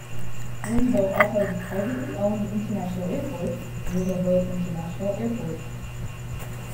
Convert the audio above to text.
Winnabow also has a privately owned International Airport "Winnabow International Airport".